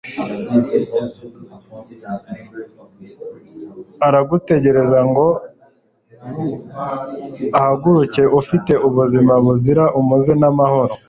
Aragutegeka ngo uhaguruke ufite ubuzima buzira umuze n’amahoro.